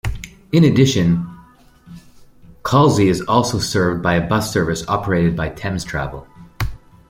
In addition, Cholsey is also served by a bus service operated by Thames Travel.